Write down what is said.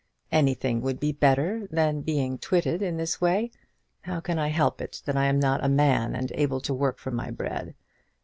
"Anything would be better than being twitted in this way. How can I help it that I am not a man and able to work for my bread?